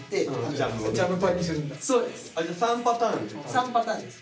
３パターンです。